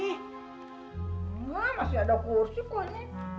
enggak masih ada kursi kok ini